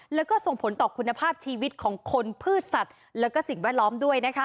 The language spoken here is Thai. แล้วก็ส่งผลต่อคุณภาพชีวิตของคนพืชสัตว์แล้วก็สิ่งแวดล้อมด้วยนะคะ